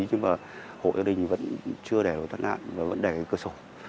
nhưng mà hội gia đình vẫn chưa đẻ được tất nạn vẫn đẻ cơ sổ